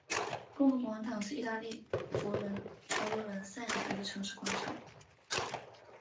共和广场是意大利佛罗伦萨的一个城市广场。